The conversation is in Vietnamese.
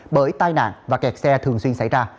bởi tai nạn và kẹt xe thường xuyên xảy ra